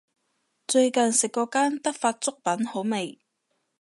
最近食過間德發粥品好味